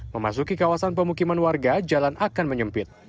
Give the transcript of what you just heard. memasuki kawasan pemukiman warga jalan akan menyempit